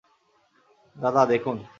দাদা, দেখুন।